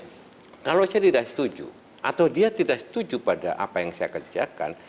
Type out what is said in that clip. kalau saya tidak setuju atau dia tidak setuju pada apa yang saya kerjakan